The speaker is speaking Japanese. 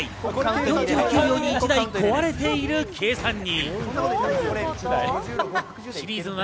４９秒に１台壊れている計算に。